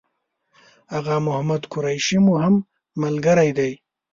آغا محمد قریشي مو هم ملګری دی.